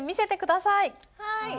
はい！